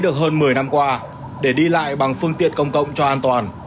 thì mình lại phải chạy ra